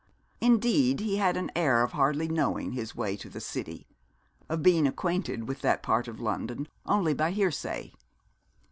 Indeed he had an air of hardly knowing his way to the City, of being acquainted with that part of London only by hearsay.